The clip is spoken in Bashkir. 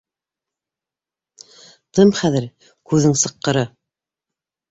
Тым хәҙер, күҙең сыҡҡыры!